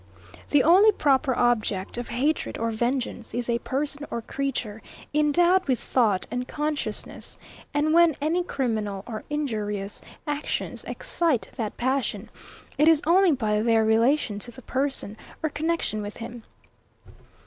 The only proper object of hatred or vengeance is a person or creature, endowed with thought and consciousness; and when any criminal or injurious actions excite that passion, it is only by their relation to the person, or connexion with him.